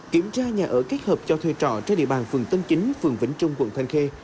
kiểm tra nhà ở kết hợp cho thuê trọ trên địa bàn phường tân chính phường vĩnh trung quận thanh khê